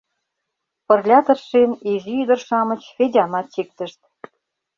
Пырля тыршен, изи ӱдыр-шамыч Федямат чиктышт.